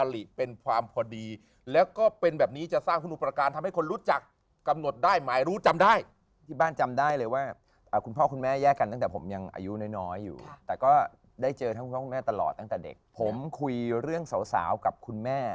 แต่ก็ได้เจอทั้งคุณพ่อคุณแม่ตลอดตั้งแต่เด็กผมคุยเรื่องสาวกับคุณแม่